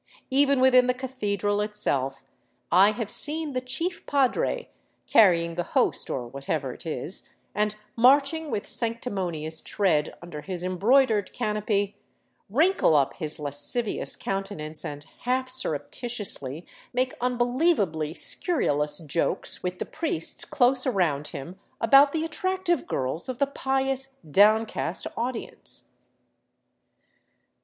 Even within the cathedral itself I have seen the chief padre, carrying the host or whatever it is, and marching with sanctimonious tread under his 439 VAGABONDING DOWN THE ANDES embroidered canopy, wrinkle up his lascivious countenance and half surreptitiously make unbelievably scurrilous jokes with the priests close around him about the attractive girls of the pious, downcast audience.